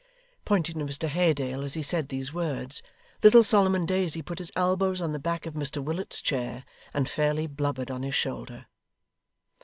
Pointing to Mr Haredale as he said these words, little Solomon Daisy put his elbows on the back of Mr Willet's chair, and fairly blubbered on his shoulder.